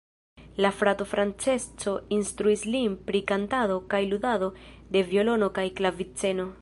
La frato Francesco instruis lin pri kantado kaj ludado de violono kaj klaviceno.